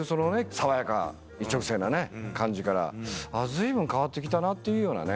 爽やか一直線なね感じから随分変わって来たなっていうようなね。